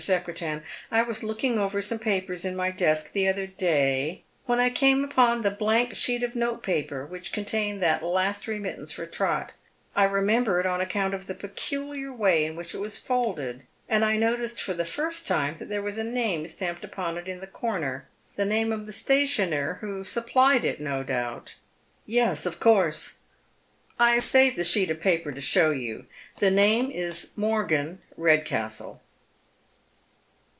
Secretan. I was looking over some papers in my desk, the other day, when I came upon the blank sheet of note paper which contained that last remit tance for Trot, — I remember it on account of the peculiar way in which it was folded, — and I noticed for the first time that there was a name stamped upon it in the corner, the name of the stationer who supplied it, no doubt." " Yes, of course." " I have saved the sheet of paper to show you. The name is Morgan, Redcastle."